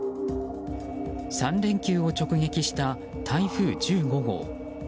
３連休を直撃した台風１５号。